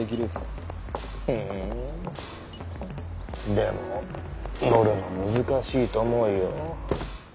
でも乗るの難しいと思うよ？